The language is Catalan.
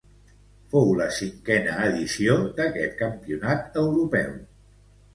Fou la cinquena edició d'este campionat europeu.